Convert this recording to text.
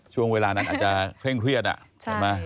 ช่วงเวลานั้นอาจจะเคร่งเครียดอ่ะใช่ไหม